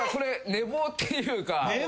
寝坊っていうかよね。